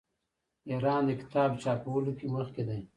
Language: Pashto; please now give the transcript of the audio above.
ایران د کتاب چاپولو کې مخکې دی.